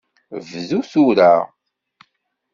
Bdu tura!